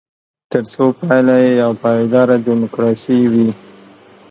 ترڅو پایله یې یوه پایداره ډیموکراسي وي.